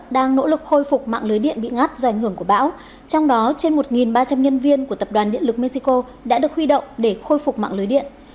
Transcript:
đang nỗ lực khôi phục mạng lưới điện bị ngắt do ảnh hưởng của bão trong đó trên một ba trăm linh nhân viên của tập đoàn điện lực mexico đã được huy động để khôi phục mạng lưới điện